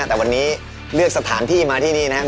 แต่วันนี้เลือกสถานที่มาที่นี่นะครับ